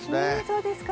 そうですか。